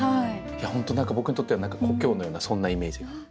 本当何か僕にとっては故郷のようなそんなイメージが。